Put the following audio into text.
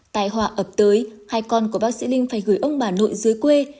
tài hòa ập tới hai con của bác sĩ linh phải gửi ông bà nội dưới quê